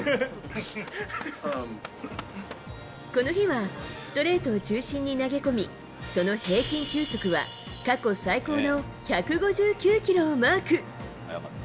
この日はストレートを中心に投げ込み、その平均球速は、過去最高の１５９キロをマーク。